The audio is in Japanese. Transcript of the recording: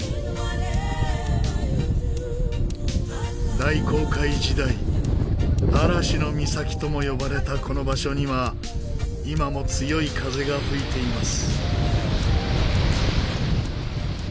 大航海時代嵐の岬とも呼ばれたこの場所には今も強い風が吹いています。